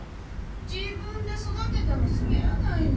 自分で育てた娘やないの。